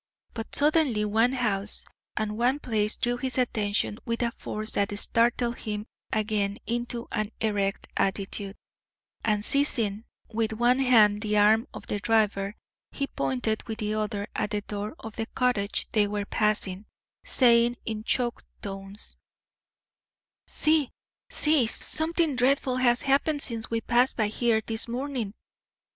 But suddenly one house and one place drew his attention with a force that startled him again into an erect attitude, and seizing with one hand the arm of the driver, he pointed with the other at the door of the cottage they were passing, saying in choked tones: "See! see! Something dreadful has happened since we passed by here this morning.